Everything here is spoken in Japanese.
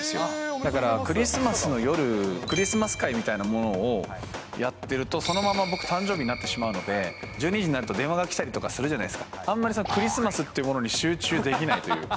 だからクリスマスの夜、クリスマス会みたいなものをやってると、そのまま僕、誕生日になってしまうので、１２時になると電話がきたりとかするじゃないですか、あんまりクリスマスってものに集中できないというか。